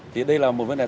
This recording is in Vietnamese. thì đây là một vấn đề